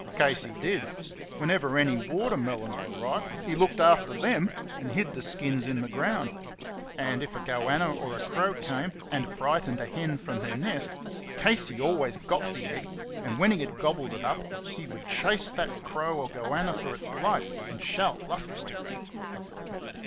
Casey did. Whenever any watermelons were ripe, he looked after THEM and hid the skins in the ground. And if a goanna or a crow came and frightened a hen from her nest Casey always got the egg, and when he had gobbled it up he would chase that crow or goanna for its life and shout lustily.